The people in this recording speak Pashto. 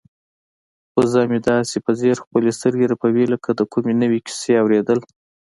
وزه مې داسې په ځیر خپلې سترګې رپوي لکه د کومې نوې کیسې اوریدل.